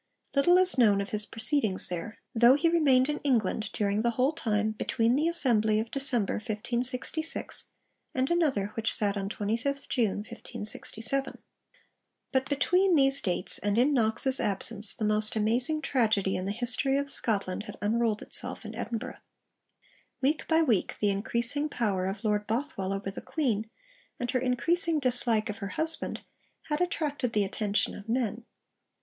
Little is known of his proceedings there; though he remained in England during the whole time between the Assembly of December 1566 and another which sat on 25th June 1567. But between these dates, and in Knox's absence, the most amazing tragedy in the history of Scotland had unrolled itself in Edinburgh. Week by week, the increasing power of Lord Bothwell over the Queen, and her increasing dislike of her husband, had attracted the attention of men.